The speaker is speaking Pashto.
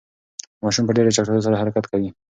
ماشوم په ډېرې چټکتیا سره حرکت کوي.